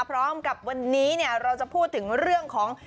พร้อมกับวันนี้เราจะพูดถึงเรื่องของ